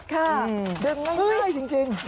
ข้ารึดึงง่ายจริง